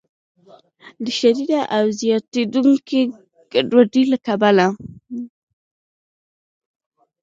د شدیدې او زیاتیدونکې ګډوډۍ له کبله